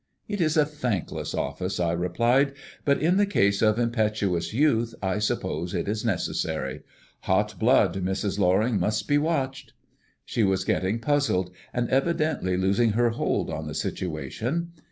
"It is a thankless office," I replied; "but in the case of impetuous youth I suppose it is necessary. Hot blood, Mrs. Loring, must be watched." She was getting puzzled, and evidently losing her hold on the situation.